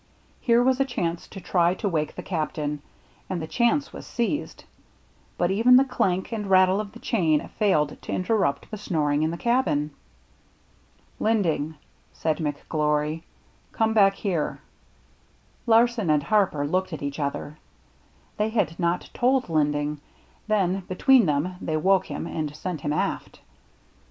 Here was a chance to try to wake the Captain, and the chance was seized; but even the clank and rattle of the chain failed to interrupt the snoring in the cabin. " Linding," said McGlory, " come back here." Larsen and Harper looked at each other, — they had not told Linding, — then between them they woke him and sent him aft.